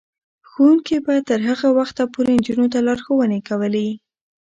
ښوونکې به تر هغه وخته پورې نجونو ته لارښوونې کوي.